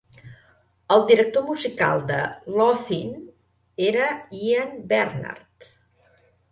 El director musical de "Laugh-In" era Ian Bernard.